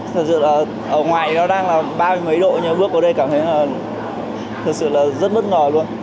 thật sự là ở ngoài nó đang là ba mươi mấy độ nhưng bước vào đây cảm thấy là thật sự là rất bất ngờ luôn